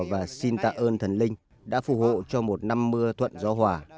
và xin tạ ơn thần linh đã phù hộ cho một năm mưa thuận gió hỏa